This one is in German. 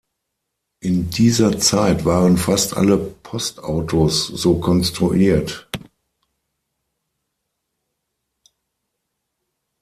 In dieser Zeit waren fast alle Postautos so konstruiert.